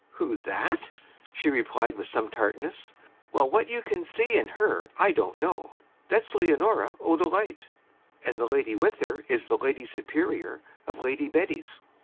'Who, that?' she replied with some tartness. 'Well, what you can see in her, I don't know. That's Leonora O'Dolite, and the lady with her is the Lady Superior of Lady Betty's.